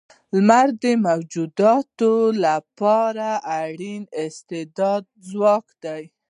لمر د موجوداتو لپاره اړین استعدادی ځواک دی.